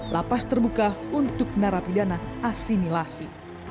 lapas terbuka untuk narapidana asimilasi